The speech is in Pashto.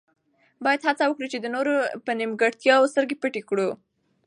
باید هڅه وکړو چې د نورو په نیمګړتیاوو سترګې پټې کړو.